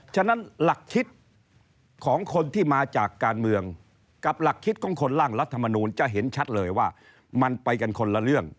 ฉะนั้นหลักคิดของคนที่มาจากการเมืองกับหลักคิดของคนร่างรัฐมนูลจะเห็นชัดเลยว่ามันไปกันคนละเรื่อง